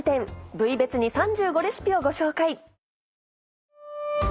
部位別に３５レシピをご紹介。